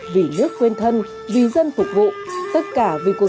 vì nước quên thân vì dân phục vụ